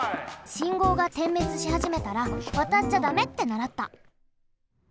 信号が点滅しはじめたらわたっちゃだめってならった。